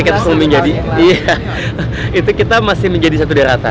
iya itu kita masih menjadi satu daerah